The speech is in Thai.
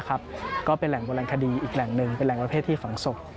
ก็เป็นแหล่งโบราณคดีอีกแหล่งหนึ่งเป็นแหล่งประเภทที่ฝังศพ